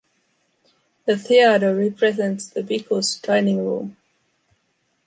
The theater represents the Bichus’ dining room.